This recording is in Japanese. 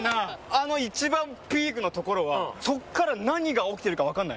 あの一番ピークの所はそっから何が起きてるか分かんない。